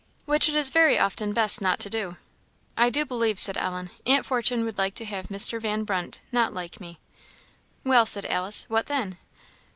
"Which it is very often best not to do." "I do believe," said Ellen, "Aunt Fortune would like to have Mr. Van Brunt not like me." "Well," said Alice, "what then?"